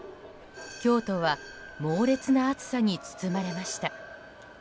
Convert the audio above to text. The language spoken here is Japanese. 京都は猛烈な暑さに包まれました。